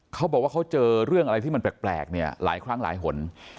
เขาบอกว่าเขาเจอเรื่องอะไรที่มันแปลกเนี่ยหลายครั้งหลายหน